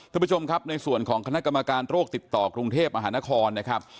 ท่านผู้ชมครับในส่วนของคณะกรรมการโรคติดต่อกรุงเทพมหานครนะครับ